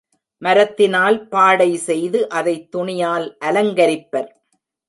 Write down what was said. மரத்தினால் பாடைசெய்து, அதைத் துணியால் அலங்கரிப்பர்.